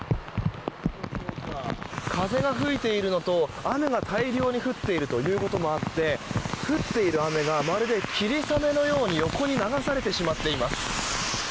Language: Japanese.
風が吹いているのと雨が大量に降っていることもあって降っている雨がまるで、霧雨のように横に流されてしまっています。